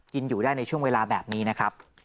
อยู่ได้ในช่วงเวลาแบบนี้นะครับ